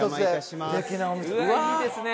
いいですね！